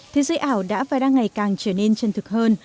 thế giới ảo đã vài đăng ngày càng trở nên chân thực hơn